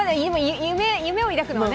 夢を抱くのはね？